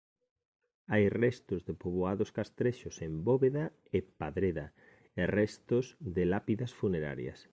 Hai restos de poboados castrexos en Bóveda e Padreda e restos de lápidas funerarias.